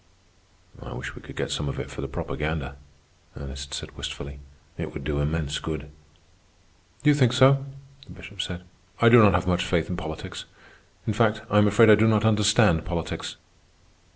"I wish we could get some of it for the propaganda," Ernest said wistfully. "It would do immense good." "Do you think so?" the Bishop said. "I do not have much faith in politics. In fact, I am afraid I do not understand politics."